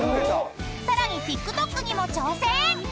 ［さらにＴｉｋＴｏｋにも挑戦］